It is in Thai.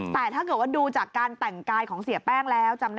แต่ถ้าว่าดูจากการแต่งกายของเสียแป้งแล้ว